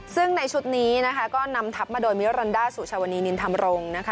ซึ่งในชุดนี้ก็นำทับมาโดยมิลลันด้าสุชาวนีนินธรรมรงค์